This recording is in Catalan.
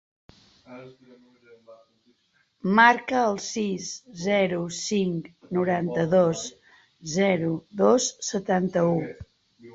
Marca el sis, zero, cinc, noranta-dos, zero, dos, setanta-u.